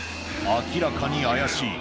明らかに怪しい。